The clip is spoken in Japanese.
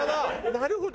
なるほど。